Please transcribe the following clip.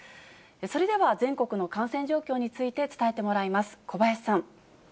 それでは全国の感染状況について伝えてもらいます、小林さん。